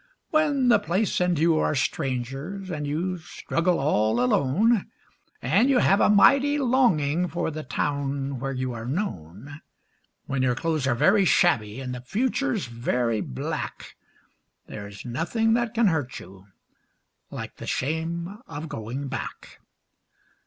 When the place and you are strangers and you struggle all alone, And you have a mighty longing for the town where you are known; When your clothes are very shabby and the future's very black, There is nothing that can hurt you like the shame of going back.